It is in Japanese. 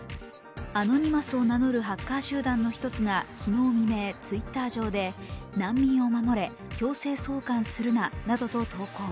アノニマスを名乗るハッカー集団の一つが昨日未明Ｔｗｉｔｔｅｒ上で難民を守れ、強制送還するななどと投稿。